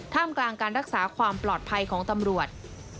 กลางการรักษาความปลอดภัยของตำรวจ